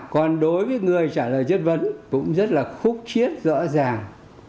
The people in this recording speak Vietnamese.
còn đối với người trả lời chất vấn cũng rất là khúc chiết rõ ràng